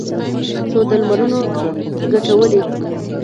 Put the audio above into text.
څو د لمرونو کټوري